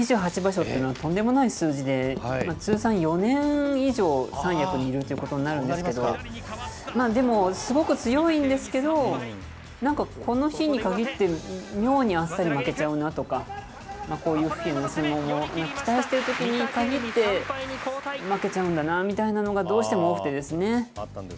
２８場所っていうのはとんでもない数字で、通算４年以上、三役にいるということになるんですけど、でも、すごく強いんですけど、なんか、この日に限って、妙にあっさり負けちゃうなとか、こういうような相撲も、期待しているときにかぎって、負けちゃうんだなみたいなのがどうしても多くてですね。